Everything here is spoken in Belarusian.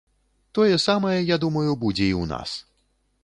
Тое самае, я думаю, будзе і ў нас.